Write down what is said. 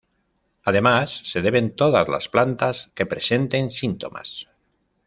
Además, se deben todas las plantas que presenten síntomas.